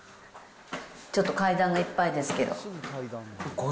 ちょっと階段がいっぱいですけど。